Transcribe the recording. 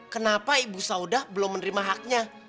kenapa ibu sauda belum menerima haknya